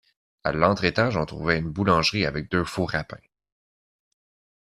À l'entre-étage on trouvait une boulangerie avec deux fours à pain.